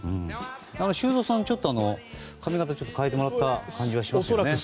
修造さん、ちょっと髪形変えてもらった感じがしますね。